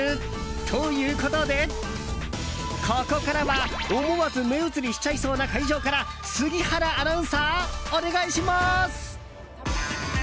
ということで、ここからは思わず目移りしちゃいそうな会場から杉原アナウンサーお願いします！